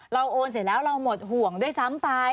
โอนเสร็จแล้วเราหมดห่วงด้วยซ้ำไป